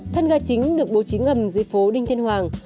thân ga chính được bố trí ngầm dưới phố đinh tiên hoàng